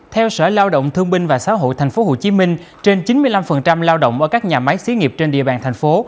theo sở lao động thương binh và xã hội tp hcm trên chín mươi năm lao động ở các nhà máy xí nghiệp trên địa bàn thành phố